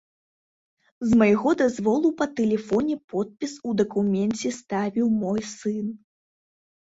З майго дазволу па тэлефоне подпіс у дакуменце ставіў мой сын.